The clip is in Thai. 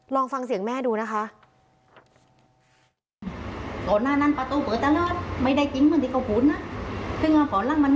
ลองฟังเสียงแม่ดูนะคะ